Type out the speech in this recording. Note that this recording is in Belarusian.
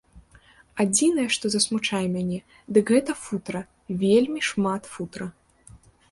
Адзінае, што засмучае мяне, дык гэта футра, вельмі шмат футра.